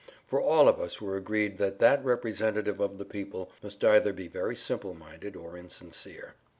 For all of us were agreed that that representative of the people must either be very simple minded or insincere.